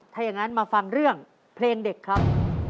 ถ้าอย่างนั้นมาฟังเรื่องเพลงเด็กครับ